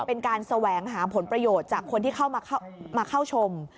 เป็นการแสวงหาผลประโยชน์จากคนที่เข้ามาเข้าชม